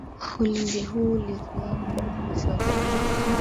Ulinzi huu ulizuia uvamizi wa Saudia